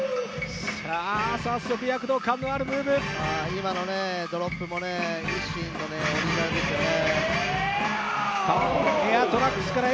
今のドロップもＩＳＳＩＮのオリジナルですよね。